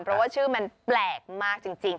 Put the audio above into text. เพราะว่าชื่อมันแปลกมากจริง